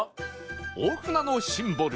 大船のシンボル